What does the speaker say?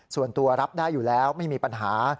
ส่วนตัวรับได้อยู่แล้วไม่มีปัญหา